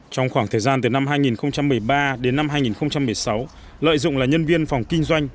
trong khoảng thời gian từ năm hai nghìn một mươi ba đến năm hai nghìn một mươi sáu lợi dụng là nhân viên phòng kinh doanh